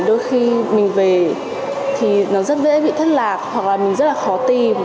đôi khi mình về thì nó rất dễ bị thất lạc hoặc là mình rất là khó tìm